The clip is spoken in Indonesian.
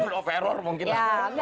flow of error mungkin lah